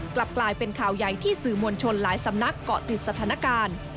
กลับกลายเป็นข่าวใหญ่ที่สื่อมวลชนหลายสำนักเกาะติดสถานการณ์